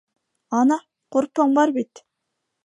Ана, ҡурпың бар бит!